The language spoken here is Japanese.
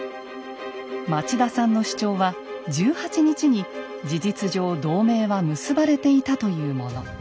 町田さんの主張は１８日に事実上同盟は結ばれていたというもの。